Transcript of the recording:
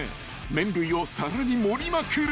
［麺類を皿に盛りまくる］